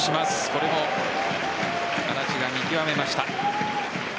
これも安達が見極めました。